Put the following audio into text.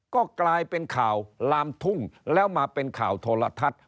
ก็กลายเป็นข่าวลามทุ่งแล้วมาเป็นข่าวโทรทัศน์